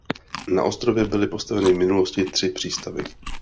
Na ostrově byly postaveny v minulosti tři přístavy.